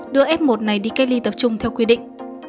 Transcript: đưa f một này đi cách ly tập trung theo quy định